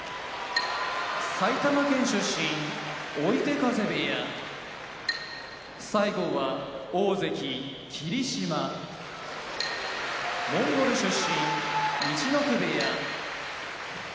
埼玉県出身追手風部屋大関・霧島モンゴル出身陸奥部屋